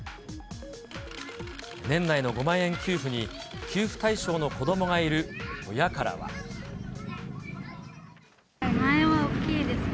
年内の５万円給付に、給付対象の５万円は大きいですね。